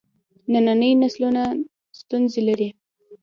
ننني نسلونه ستونزې لري.